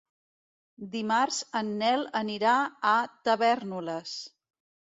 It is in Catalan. Dimarts en Nel anirà a Tavèrnoles.